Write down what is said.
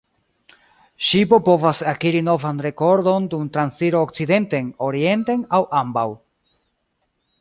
Ŝipo povas akiri novan rekordon dum transiro okcidenten, orienten aŭ ambaŭ.